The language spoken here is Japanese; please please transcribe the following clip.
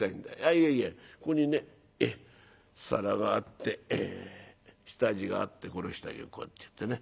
いやいやここにね皿があって下地があってこれを下地にこうやってやってね。